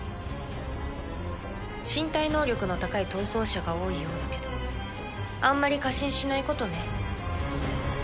身体能力の高い逃走者が多いようだけどあんまり過信しないことね。